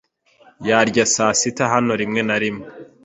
Yarya saa sita hano rimwe na rimwe.